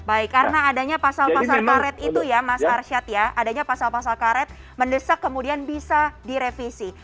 baik karena adanya pasal pasal karet itu ya mas arsyad ya adanya pasal pasal karet mendesak kemudian bisa direvisi